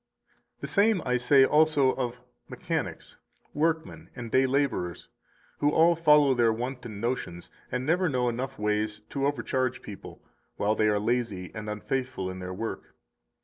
226 The same I say also of mechanics, workmen, and day laborers, who all follow their wanton notions, and never know enough ways to overcharge people, while they are lazy and unfaithful in their work.